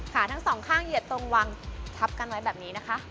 ขาทั้งสองข้างเหยียดตรงวังทับกันไว้แบบนี้นะคะ